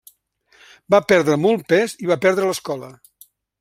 Va perdre molt pes i va perdre l'escola.